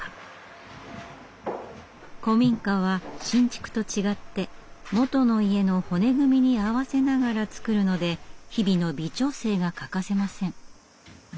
古民家は新築と違って元の家の骨組みに合わせながら造るので日々の微調整が欠かせません。